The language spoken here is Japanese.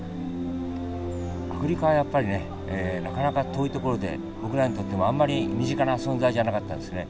アフリカはやっぱりねなかなか遠い所で僕らにとってもあんまり身近な存在じゃなかったんですね。